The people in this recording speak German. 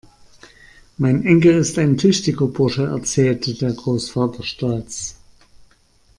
Mein Enkel ist ein tüchtiger Bursche, erzählte der Großvater stolz.